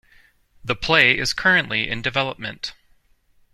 The play is currently in development.